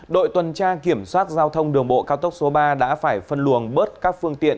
đội tuần tra kiểm soát giao thông đường bộ cao tốc số ba đã phải phân luồng bớt các phương tiện